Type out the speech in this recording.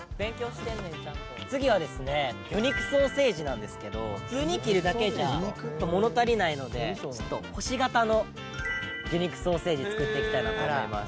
次はですね魚肉ソーセージなんですけど普通に切るだけじゃ物足りないのでちょっと星形の魚肉ソーセージ作っていきたいなと思います。